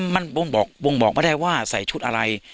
มันบ่งบอกไม่ได้ว่าใส่ชุดอะไร